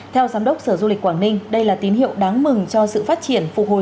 theo giám đốc sở du lịch quảng ninh đây là tín hiệu đáng mừng cho sự phát triển phục hồi